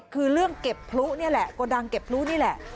คือเรื่องเก็บพลุนี่แหละโกดังเก็บพลุนี่แหละ